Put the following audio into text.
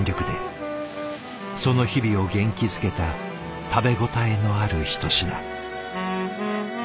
その日々を元気づけた食べ応えのある一品。